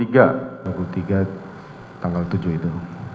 jam dua puluh tiga tanggal tujuh itu